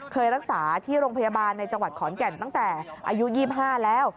เคยรักษาที่โรงพยาบาลในจังหวัดขอนแก่นตั้งแต่อายุ๒๕แล้ว